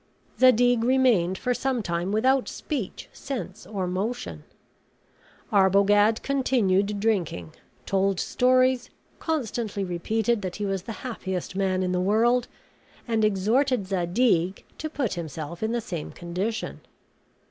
Zadig remained for some time without speech, sense, or motion. Arbogad continued drinking; told stories; constantly repeated that he was the happiest man in the world; and exhorted Zadig to put himself in the same condition.